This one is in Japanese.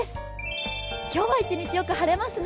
今日は一日、よく晴れますね。